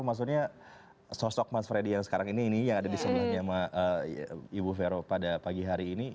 maksudnya sosok mas freddy yang sekarang ini yang ada di sebelahnya ibu vero pada pagi hari ini